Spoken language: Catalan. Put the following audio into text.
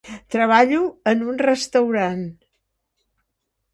Treballo en un restaurant.